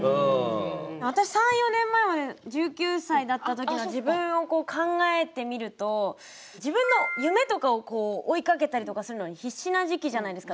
私３４年前まで１９歳だったときの自分を考えてみると自分の夢とかを追いかけたりとかするのに必死な時期じゃないですか。